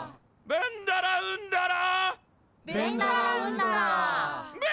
ベンダラウンダラ。